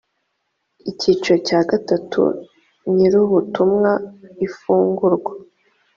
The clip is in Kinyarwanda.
icyiciro cya gatatu nyirubutumwa ifungurwa